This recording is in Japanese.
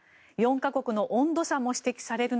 ４か国の温度差も指摘される